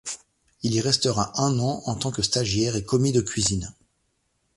Il y restera un an en tant que stagiaire et commis de cuisine.